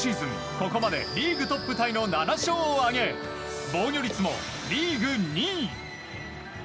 ここまでリーグトップタイの７勝を挙げ防御率もリーグ２位。